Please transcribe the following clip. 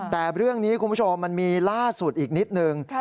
แต่เรื่องนี้คุณผู้ชมมันมีล่าสุดอีกนิดนึง